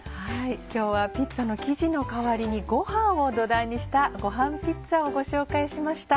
今日はピッツァの生地の代わりにごはんを土台にした「ごはんピッツァ」をご紹介しました。